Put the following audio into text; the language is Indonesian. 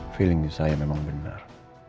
feeling saya memang benar